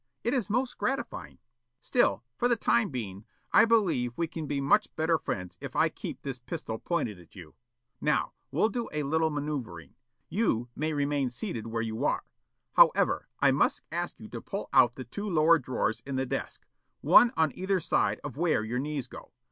It is most gratifying. Still, for the time being, I believe we can be much better friends if I keep this pistol pointed at you. Now we 'll do a little maneuvering. You may remain seated where you are. However, I must ask you to pull out the two lower drawers in the desk, one on either side of where your knees go.